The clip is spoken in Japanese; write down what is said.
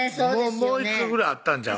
もう１回ぐらいあったんちゃう？